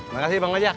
makasih bang majak